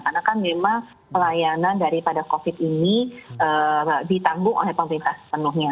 karena kan memang pelayanan daripada covid ini ditanggung oleh pemerintah penuhnya